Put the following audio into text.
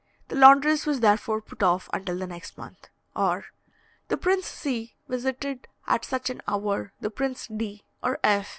The laundress was therefore put off until the next month." Or, "The Prince C. visited at such an hour the Prince D. or F.